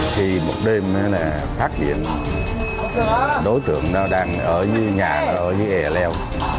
khi một đêm phát hiện đối tượng đang ở dưới nhà ở dưới ẻ leo